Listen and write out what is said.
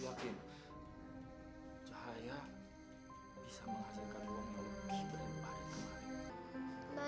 aku yakin cahaya bisa menghasilkan uang yang lebih dari pada kemarin